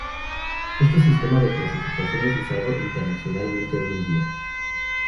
Este sistema de clasificación es usado internacionalmente hoy en día.